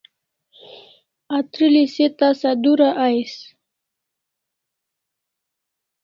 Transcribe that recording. Atr'eli se tasa dura ais